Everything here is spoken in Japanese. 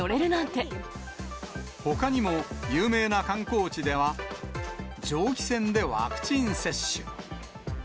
ほかにも、有名な観光地では、蒸気船でワクチン接種。